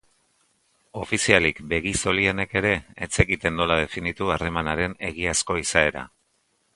Ofizialik begi-zolienek ere ez zekiten nola definitu harreman haren egiazko izaera.